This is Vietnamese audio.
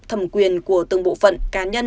thẩm quyền của từng bộ phận cá nhân